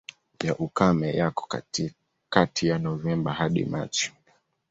Ya ukame yako kati ya Novemba hadi Machi.